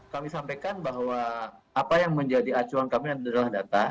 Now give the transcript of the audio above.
kami sampaikan bahwa apa yang menjadi acuan kami adalah data